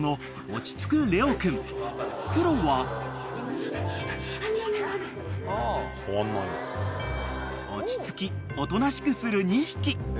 ［落ち着きおとなしくする２匹］